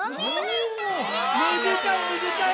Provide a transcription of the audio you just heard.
おめでたいめでたい！